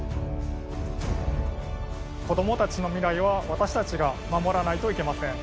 子どもたちの未来は私たちが守らないといけません